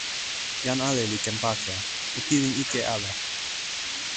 jan ale li ken pakala. o pilin ike ala.